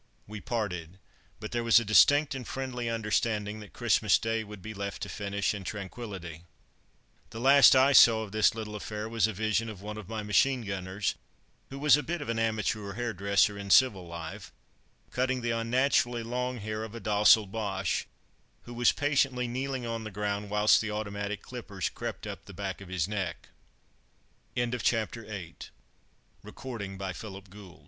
We parted, but there was a distinct and friendly understanding that Christmas Day would be left to finish in tranquillity. The last I saw of this little affair was a vision of one of my machine gunners, who was a bit of an amateur hairdresser in civil life, cutting the unnaturally long hair of a docile Boche, who was patiently kneeling on the ground whilst the automatic clippers crept up the back of his neck. CHAPTER IX SOUVENIRS A RIDE TO NIEPPE TEA AT H.